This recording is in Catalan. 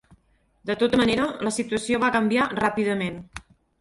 De tota manera, la situació va canviar ràpidament.